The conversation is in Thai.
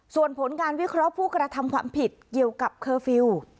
ส่วนผลการวิเคราะห์ผู้กระทำความผิดเกี่ยวกับเคอร์ฟิลล์